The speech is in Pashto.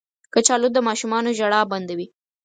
کچالو د ماشومانو ژړا بندوي